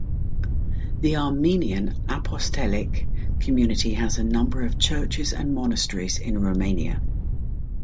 The Armenian Apostolic community has a number of churches and a monastery in Romania.